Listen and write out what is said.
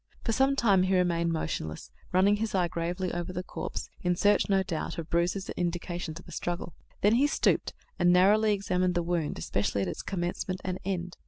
For some time he remained motionless, running his eye gravely over the corpse, in search, no doubt, of bruises and indications of a struggle. Then he stooped and narrowly examined the wound, especially at its commencement and end.